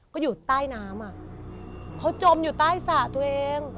ก็อยู่ใต้น้ำอ่ะเขาจมอยู่ใต้สระตัวเอง